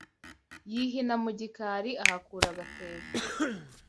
Yihina mu gikali Ahakura agatebo